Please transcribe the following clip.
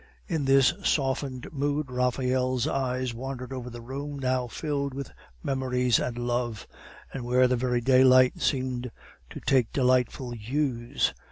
In this softened mood Raphael's eyes wandered over the room, now filled with memories and love, and where the very daylight seemed to take delightful hues.